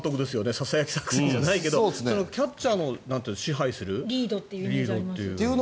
ささやき作戦じゃないけどキャッチャーの支配するリードっていう。